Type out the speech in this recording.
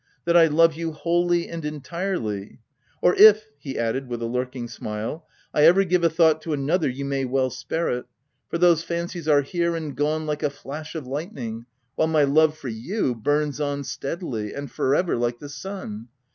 that I love you wholly and entirely ?— or if," he added with a lurking smile, u 1 ever give a thought to another you may well spare it, for those fancies are here and gone like a flash of lightning, while my love for you burns on steadily, and for ever like the sun.